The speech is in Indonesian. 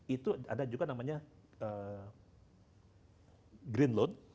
itu ada juga namanya green loan